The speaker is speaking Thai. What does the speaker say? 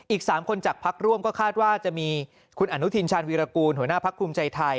อีก๓คนจากพักร่วมก็คาดว่าจะมีคุณอนุทินชาญวีรกูลหัวหน้าพักภูมิใจไทย